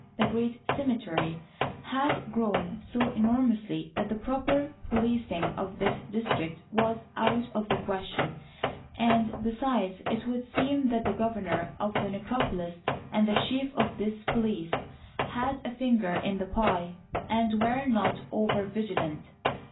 The great cemetery had grown so enormously that the proper policing of this district was out of the ques tion ; and, besides, it would seem that the governor of the necropolis and the chief of its police had a finger in the pie and were not over vigilant.